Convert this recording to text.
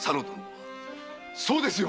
そうですよ！